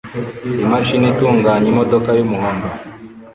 Imashini itunganya imodoka yumuhondo